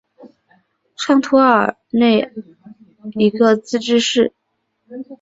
上托尔内奥市是瑞典北部北博滕省的一个自治市。